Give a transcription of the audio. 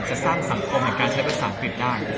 จะสร้างสังคมแห่งการใช้ภาษาอังกฤษได้